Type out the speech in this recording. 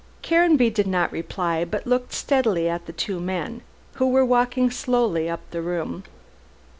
Caranby did not reply, but looked steadily at the two men who were walking slowly up the room.